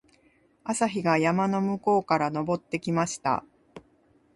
朝日が山の向こうから昇ってきました。